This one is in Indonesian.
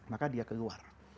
maka beliau keluar